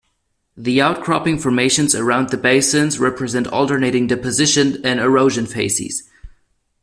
The outcropping formations around the basins represent alternating deposition and erosion phases.